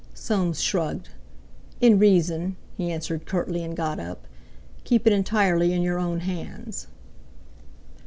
Soames shrugged. "In reason," he answered curtly, and got up. "Keep it entirely in your own hands."